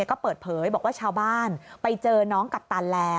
ก็เปิดเผยบอกว่าชาวบ้านไปเจอน้องกัปตันแล้ว